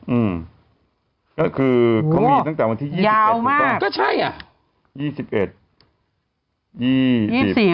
อืมก็คือเขามีตั้งแต่วันที่๒๙ก็ใช่อ่ะ